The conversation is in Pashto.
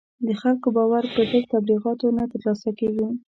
د خلکو باور په زر تبلیغاتو نه تر لاسه کېږي.